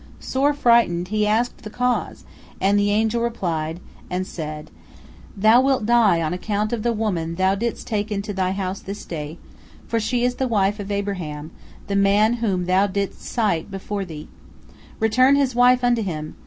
Sore frightened, he asked the cause, and the angel replied, and said: "Thou wilt die on account of the woman thou didst take into thy house this day, for she is the wife of Abraham, the man whom thou didst cite before thee. Return his wife unto him!